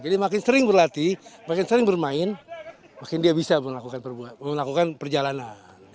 jadi makin sering berlatih makin sering bermain makin dia bisa melakukan perjalanan